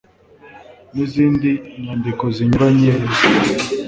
n'izindi nyandiko zinyuranye ufite